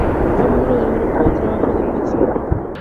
Fue miembro del grupo de trabajo de Pixar.